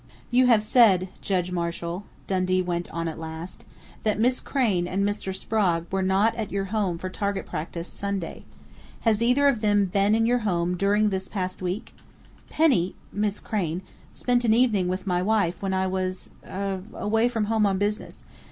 "You have said, Judge Marshall," Dundee went on at last, "that Miss Crain and Mr. Sprague were not at your home for target practice Sunday. Has either of them been in your home during this past week?" "Penny Miss Crain spent an evening with my wife when I was er away from home on business.